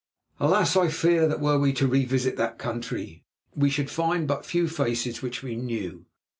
Alas! I fear that were we to re visit that country we should find but few faces which we knew.